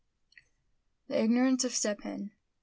THE IGNORANCE OF STEP HEN.